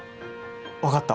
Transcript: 分かった。